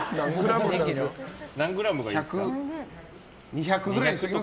何グラムがいいですか。